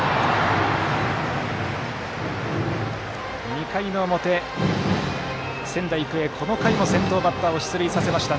２回の表、仙台育英この回も先頭バッターを出塁させました。